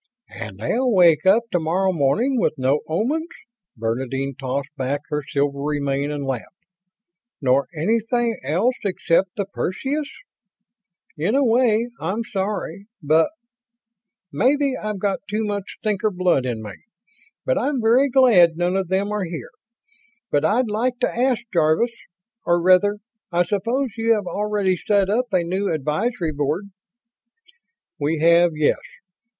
"And they'll wake up tomorrow morning with no Omans?" Bernadine tossed back her silvery mane and laughed. "Nor anything else except the Perseus? In a way, I'm sorry, but ... maybe I've got too much stinker blood in me, but I'm very glad none of them are here. But I'd like to ask, Jarvis or rather, I suppose you have already set up a new Advisory Board?" "We have, yes."